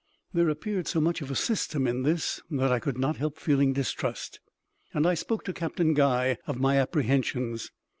There appeared so much of system in this that I could not help feeling distrust, and I spoke to Captain Guy of my apprehensions.